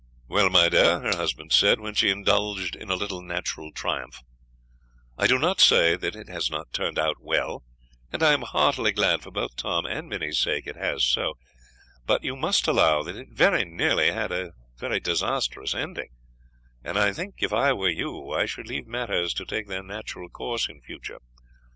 "Well, my dear," her husband said, when she indulged in a little natural triumph, "I do not say that it has not turned out well, and I am heartily glad for both Tom and Minnie's sake it has so; but you must allow that it very nearly had a disastrous ending, and I think if I were you I should leave matters to take their natural course in future.